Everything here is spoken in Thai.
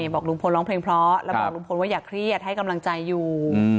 บอกลุงพลร้องเพลงเพราะแล้วบอกลุงพลว่าอย่าเครียดให้กำลังใจอยู่